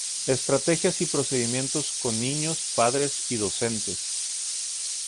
Estrategias y procedimientos con niños, padres y docentes.